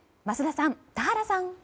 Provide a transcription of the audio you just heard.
桝田さん、田原さん。